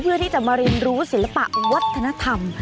เพื่อที่จะมาเรียนรู้ศิลปะวัฒนธรรม